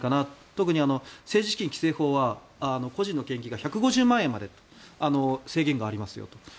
特に政治資金規正法は個人の献金が１５０万円までという制限がありますよ。